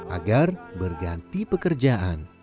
agar berganti pekerjaan